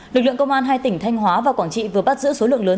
lực lượng công an hai tỉnh thanh hóa và quảng trị vừa bắt giữ số lượng lớn